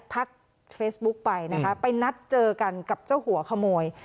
ทักเฟซบุ๊กไปนะคะไปนัดเจอกันกับเจ้าหัวขโมย